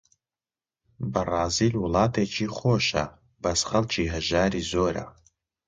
بەرازیل وڵاتێکی خۆشە، بەس خەڵکی هەژاری زۆرە